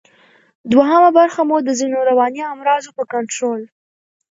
دوهمه برخه مو د ځینو رواني امراضو په کنټرول